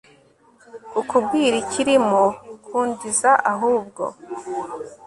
kukubwira ikirimo kundiza ahubwo